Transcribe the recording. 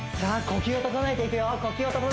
呼吸を整えていくよ